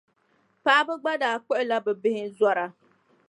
Paɣiba gba daa kpuɣila bɛ bihi n-zɔra.